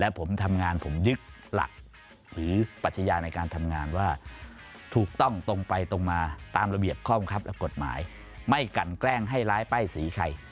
ผมทำงานผมยึดหลักหรือปัชญาในการทำงานว่าถูกต้องตรงไปตรงมาตามระเบียบข้อบังคับและกฎหมายไม่กันแกล้งให้ร้ายป้ายสีใคร